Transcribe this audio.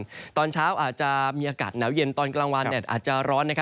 ช้ามีอากาศอาจจะมีเรื่องหนาวเย็นกับกลางวันอาจจะร้อน